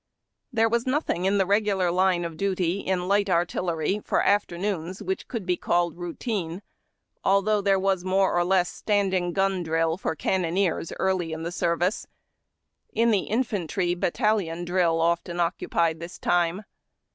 There was nothing in the regular line of duty in light ar tillery for afternoons which could be called routine, although there was more or less standing gun drill for cannoneers early in the service. In the infantry, battalion drill often occupied the time.